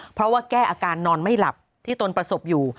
เพราะว่าแก้อาการนอนไม่หลับที่ตนประสบอยู่